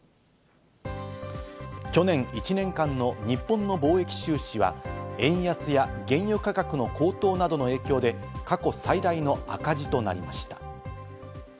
去年１年間の日本の貿易収支は円安や原油価格の高騰などの影響で過去最大の赤字となりました。